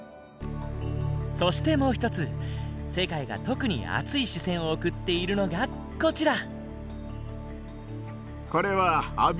そしてもう一つ世界が特に熱い視線を送っているのがこちら。